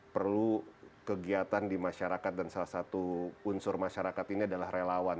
perlu kegiatan di masyarakat dan salah satu unsur masyarakat ini adalah relawan